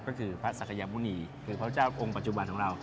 ก็คือพระศักยมุณีคือพระเจ้าองค์ปัจจุบันของเรา